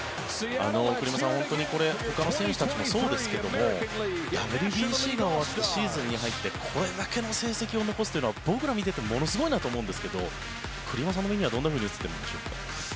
栗山さんほかの選手たちもそうですがＷＢＣが終わってシーズンに入ってこれだけの成績を残すというのは僕らは見ていてものすごいなと思うんですが栗山さんの目にはどんなふうに映っているんでしょうか。